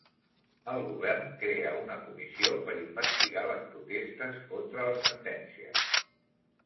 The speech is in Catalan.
El govern crea una comissió per investigar les protestes contra la sentència